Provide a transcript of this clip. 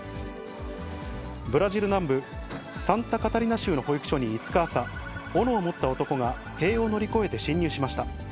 ブラジル南部サンタカタリナ州の保育所に５日朝、おのを持った男が塀を乗り越えて侵入しました。